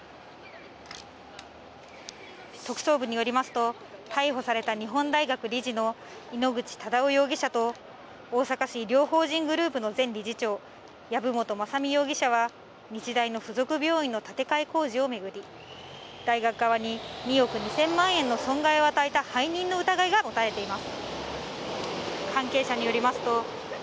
特捜部によりますと、逮捕された日本大学理事の井ノ口忠男容疑者と、大阪市、医療法人グループの前理事長、籔本雅巳容疑者は日大の付属病院の建て替え工事を巡り、大学側に２億２０００万円の損害を与えた背任の疑いが持たれています。